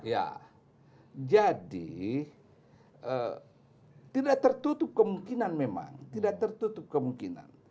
ya jadi tidak tertutup kemungkinan memang tidak tertutup kemungkinan